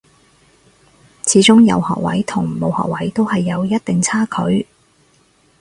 始終有學位同冇學位都係有一定差距